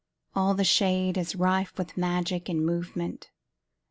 All the shadeIs rife with magic and movement.